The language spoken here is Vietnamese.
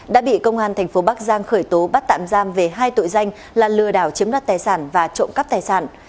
đã bị công an thành phố bắc giang khởi tố bắt tạm giam về hai tội danh là lừa đảo chiếm đoạt tài sản và trộm cắp tài sản